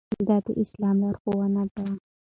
دا د اسلام لارښوونه ده.